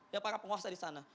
ya para penguasa di sana